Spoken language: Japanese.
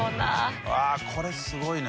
これすごいね！